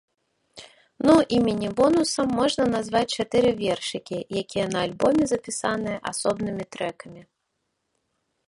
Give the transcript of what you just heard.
Ну і мінібонусам можна назваць чатыры вершыкі, якія на альбоме запісаныя асобнымі трэкамі.